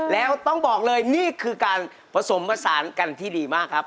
แล้วต้องบอกเลยนี่คือการผสมผสานกันที่ดีมากครับ